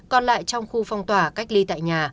còn lại trong khu phong tỏa cách ly tại nhà